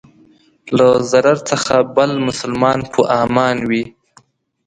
له ضرر څخه بل مسلمان په امان وي.